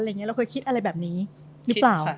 เราเคยคิดอะไรแบบนี้หรือเปล่า